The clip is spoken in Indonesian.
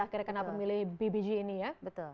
akhirnya kenapa memilih bbg ini ya betul